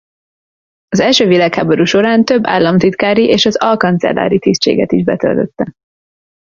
Az első világháború során több államtitkári és az alkancellári tisztséget is betöltötte.